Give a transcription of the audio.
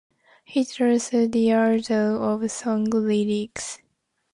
He is also the author of song lyrics.